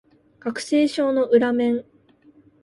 学生証の裏面